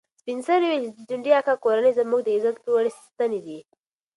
سپین سرې وویل چې د ځونډي اکا کورنۍ زموږ د عزت لوړې ستنې دي.